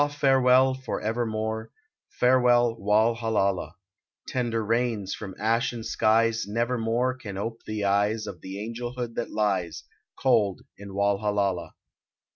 farewell for evermore ; Farewell, Walhallalah, Tender rains from ashen skies Never more can ope the eyes Of the angelhood that lies Cold in Walhallalah.